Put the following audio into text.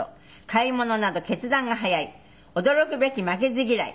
「買い物など決断が早い」「驚くべき負けず嫌い」